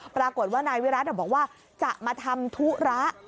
ปรากฏว่านายวิรัติบอกว่าจะมาทำธุระ